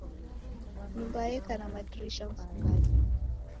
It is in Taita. Nyumba yeka na madirisha mfungade